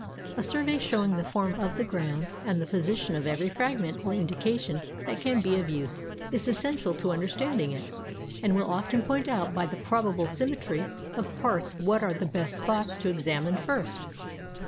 A survey showing the form of the ground, and the position of every fragment or indication that can be of use, is essential to understanding it; and will often point out by the probable symmetry of parts what are the best spots to examine first.